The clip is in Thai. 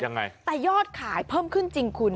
ยังไงแต่ยอดขายเพิ่มขึ้นจริงคุณ